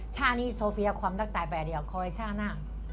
ช่างนี้โซเฟียความรักตายไปแล้วขอให้ช่างหน้า